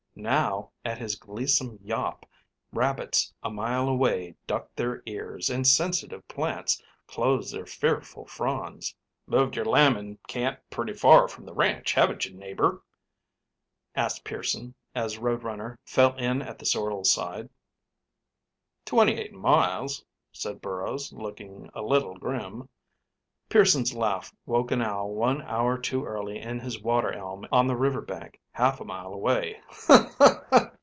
Now, at his gleesome yawp, rabbits, a mile away, ducked their ears, and sensitive plants closed their fearful fronds. "Moved your lambing camp pretty far from the ranch, haven't you, neighbor?" asked Pearson, as Road Runner fell in at the sorrel's side. "Twenty eight miles," said Burrows, looking a little grim. Pearson's laugh woke an owl one hour too early in his water elm on the river bank, half a mile away.